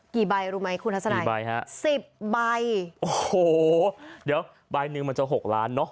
กี่ใบรู้ไหมคุณทัศนัยใบฮะสิบใบโอ้โหเดี๋ยวใบหนึ่งมันจะหกล้านเนอะ